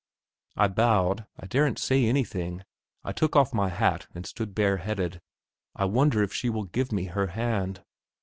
I bowed; I daren't say anything; I took off my hat and stood bareheaded. I wonder if she will give me her hand.